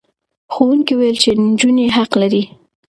ښوونکي وویل چې نجونې حق لري.